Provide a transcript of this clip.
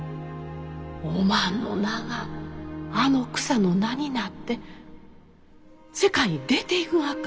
おまんの名があの草の名になって世界に出ていくがか？